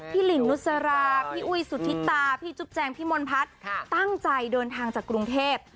หลินนุสราพี่อุ้ยสุธิตาพี่จุ๊บแจงพี่มนพัฒน์ตั้งใจเดินทางจากกรุงเทพ